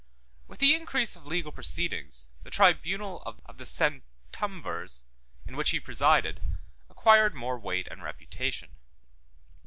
With the increase of legal proceedings, the tribunal of the centumvirs, in which he presided, acquired more weight and reputation.